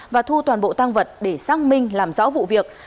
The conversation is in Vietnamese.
và thu toàn bộ tăng vật để xác minh làm rõ vụ việc